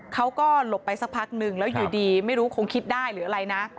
เขาก็หลบไปสักพักนึงแล้วอยู่ดีไม่รู้คงคิดได้หรืออะไรนะ